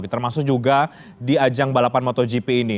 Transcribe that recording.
termasuk juga di ajang balapan motogp ini